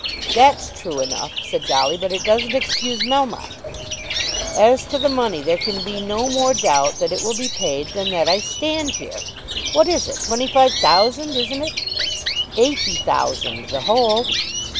"That's true enough," said Dolly; "but it doesn't excuse Melmotte." "As to the money, there can be no more doubt that it will be paid than that I stand here. What is it? twenty five thousand, isn't it?" "Eighty thousand, the whole."